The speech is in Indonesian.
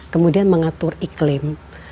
kemudian mengatur iklim